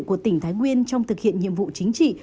của tỉnh thái nguyên trong thực hiện nhiệm vụ chính trị